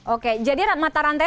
oke jadi mata rantai